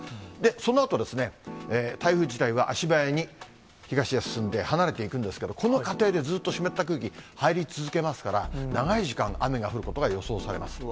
そのあとですね、台風自体が足早に東へ進んで、離れていくんですけど、この過程で、ずっと湿った空気、入り続けますから、長い時間、雨が降ることが予想されます。